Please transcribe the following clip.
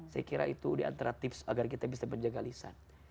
saya kira itu diantara tips agar kita bisa menjaga lisan